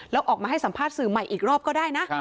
แล้วออกมาให้สัมภาษณ์สื่อใหม่อีกรอบก็ได้นะ